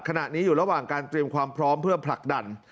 ขณะนี้อยู่ระหว่างการเตรียมความพร้อมเพื่อผลักดัน